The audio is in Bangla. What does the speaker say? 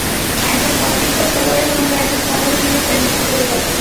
একজন বাস্কেটবল খেলোয়াড়ের সঙ্গে একজন সাধারণ মেয়ের প্রেম নিয়ে ছবির গল্প।